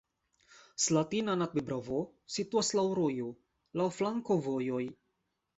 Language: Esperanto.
Slatina nad Bebravou situas laŭ rojo, laŭ flankovojoj.